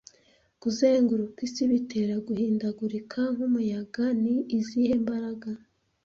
Kuzenguruka isi bitera guhindagurika k'umuyaga ni izihe mbaraga